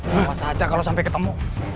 kenapa saja kalau sampai ketemu